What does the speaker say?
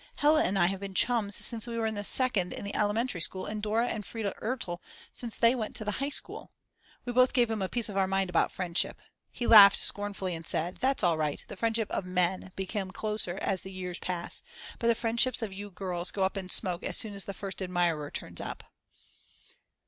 Hella and I have been chums since we were in the second in the elementary school and Dora and Frieda Ertl since they went to the High School. We both gave him a piece of our mind about friendship. He laughed scornfully and said: That's all right, the friendships of men become closer as the years pass, but the friendships of you girls go up in smoke as soon as the first admirer turns up.